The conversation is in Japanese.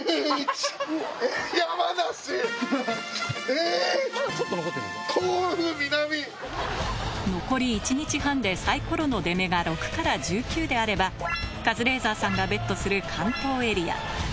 えっ⁉残り１日半でサイコロの出目が６から１９であればカズレーザーさんがＢＥＴする関東エリア